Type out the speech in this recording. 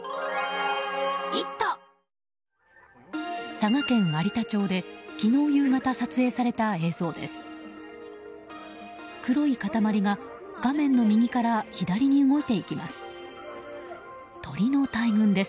佐賀県有田町で昨日夕方、撮影された映像です。